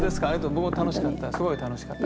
僕も楽しかった。